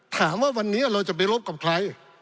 ถามว่าวันนี้เราจะไปรบกับใคร